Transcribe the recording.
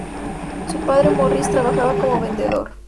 Su padre, Morris, trabajaba como vendedor.